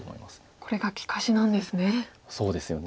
これが利かしなんですね。